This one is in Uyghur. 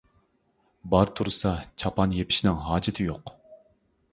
بار تۇرسا چاپان يېپىشنىڭ ھاجىتى يوق.